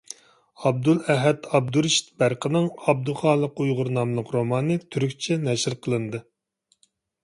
ئابدۇلئەھەد ئابدۇرېشىت بەرقىنىڭ «ئابدۇخالىق ئۇيغۇر» ناملىق رومانى تۈركچە نەشر قىلىندى.